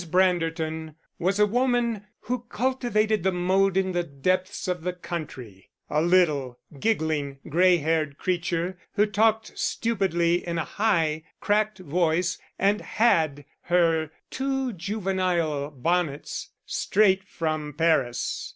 Branderton was a woman who cultivated the mode in the depths of the country, a little, giggling, grey haired creature who talked stupidly in a high, cracked voice and had her too juvenile bonnets straight from Paris.